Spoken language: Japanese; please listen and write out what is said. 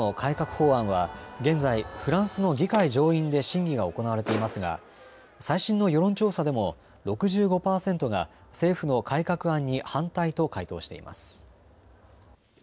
法案は現在、フランスの議会上院で審議が行われていますが最新の世論調査でも６５％が政府の改革案に反対と回答しています。